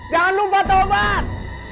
jangan lupa tau obat